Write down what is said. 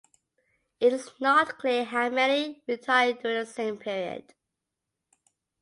It is not clear how many retired during the same period.